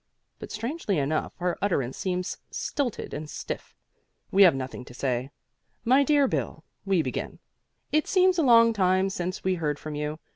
But, strangely enough, our utterance seems stilted and stiff. We have nothing to say. My dear Bill, we begin, _it seems a long time since we heard from you.